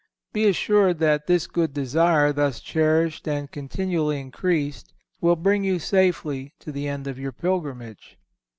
Be assured that this good desire, thus cherished and continually increased, will bring you safely to the end of your pilgrimage.